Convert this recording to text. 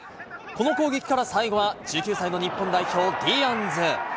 この攻撃から最後は１９歳の日本代表、ディアンズ。